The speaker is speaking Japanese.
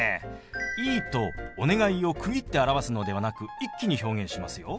「いい」と「お願い」を区切って表すのではなく一気に表現しますよ。